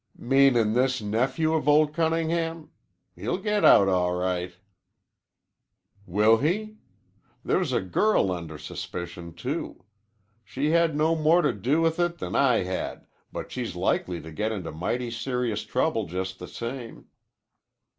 "Meanin' this nephew of old Cunningham. He'll get out all right." "Will he? There's a girl under suspicion, too. She had no more to do with it than I had, but she's likely to get into mighty serious trouble just the same."